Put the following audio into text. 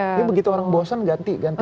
jadi begitu orang bosen ganti ganti